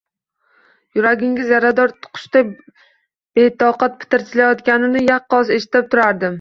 Yuragining yarador qushdek betoqat tipirchilayotganini yaqqol eshitib turardim.